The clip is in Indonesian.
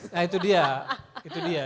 nah itu dia